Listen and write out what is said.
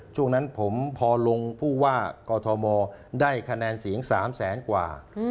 ช่วงนั้นผมพอลงผู้ว่ากอทมได้คะแนนเสียง๓แสนกว่า